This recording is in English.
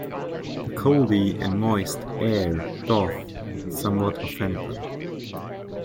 The colde and moyst aire doth somewhat offend them.